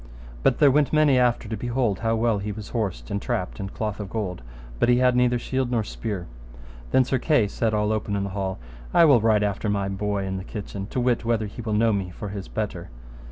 But there went many after to behold how well he was horsed and trapped in cloth of gold, but he had neither shield nor spear. Then Sir Kay said all open in the hall, I will ride after my boy in the kitchen, to wit whether he will know me for his better.